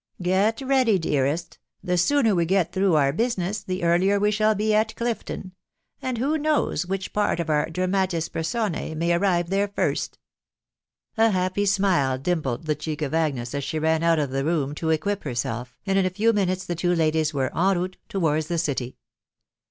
Get ready, dearest j the sooner we get through our business, the earlier we shall be at Clifton ;•.•. and who knows which part of our dramatis persona may arrive there first ?" A happy smile dimpled the cheek of Agnes as she ran out of the room to equip herself, and in a few minutes the two ladies were en route towards the city.